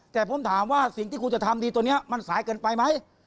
แต่ผมถามว่าสิ่งที่คุณจะทำดีตัวนี้มันสายเกินไปไหม